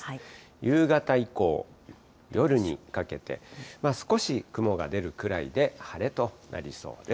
夕方以降、夜にかけて、少し雲が出るくらいで、晴れとなりそうです。